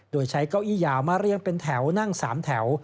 โดยใช้เก้าอี้ยาวมาเรียงเป็นแถวนั่ง๓แถว